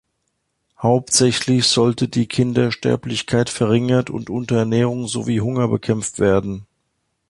Hauptsächlich sollte die Kindersterblichkeit verringert und Unterernährung sowie Hunger bekämpft werden.